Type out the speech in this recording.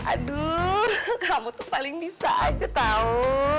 aduh kamu tuh paling bisa aja tau